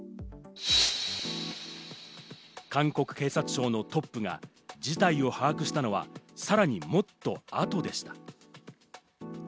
韓国警察庁のトップが事態を把握したのはさらにもっと後でした。